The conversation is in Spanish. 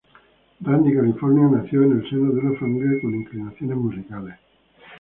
Randy California nació en el seno de una familia con inclinaciones musicales.